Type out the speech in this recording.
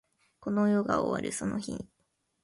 この世が終わるその日に